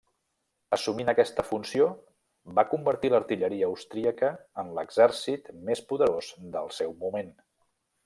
Assumint aquesta funció va convertir l'artilleria austríaca en l'exèrcit més poderós del seu moment.